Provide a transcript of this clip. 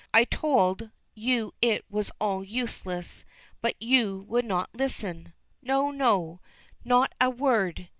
I told, you it was all useless, but you would not listen. No, no; not a word!"